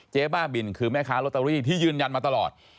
บ้าบินคือแม่ค้าลอตเตอรี่ที่ยืนยันมาตลอด